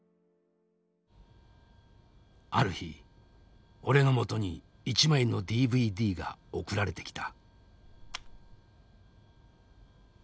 ある日俺のもとに１枚のＤＶＤが送られてきた。